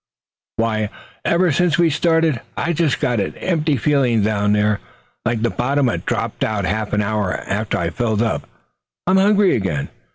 Why, ever since we started, I've just got an empty feeling down there, like the bottom had dropped out. Half an hour after I fill up, I'm hungry again.